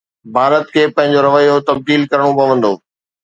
ڀارت کي پنهنجو رويو تبديل ڪرڻو پوندو.